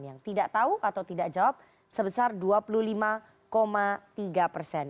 yang tidak tahu atau tidak jawab sebesar dua puluh lima tiga persen